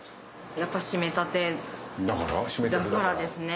やっぱ締めたてだからですね。